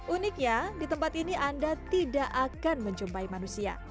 uniknya di tempat ini anda tidak akan menjumpai manusia